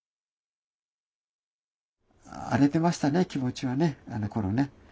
荒れてましたね気持ちはねあのころね。